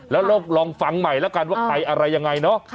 แล้วเราลองฟังใหม่แล้วกันว่าใครอะไรยังไงเนาะ